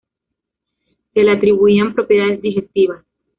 Se le atribuían propiedades digestivas.